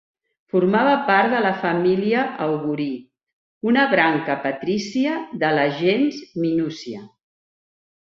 Formava part de la família Augurí, una branca patrícia de la gens Minúcia.